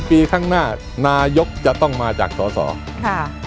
๔ปีข้างหน้านายกจะต้องมาจากศาสตร์